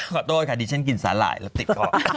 ขอโทษค่ะดิฉันกินสาหร่ายแล้วติดก่อน